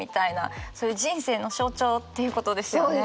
それ人生の象徴っていうことですよね？